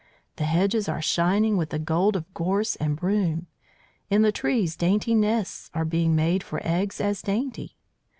The hedges are shining with the gold of gorse and broom; in the trees dainty nests are being made for eggs as dainty.